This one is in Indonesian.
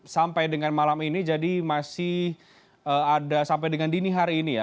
sampai dengan malam ini jadi masih ada sampai dengan dini hari ini ya